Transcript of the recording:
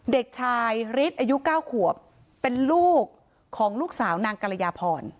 เด็กชายฤทธิ์อายุ๙ขวบเป็นลูกของลูกสาวนางกรยาพร